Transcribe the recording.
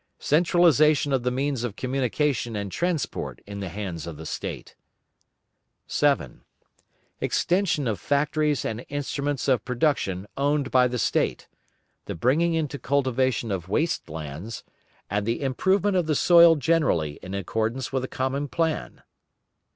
Centralisation of the means of communication and transport in the hands of the State. 7. Extension of factories and instruments of production owned by the State; the bringing into cultivation of waste lands, and the improvement of the soil generally in accordance with a common plan.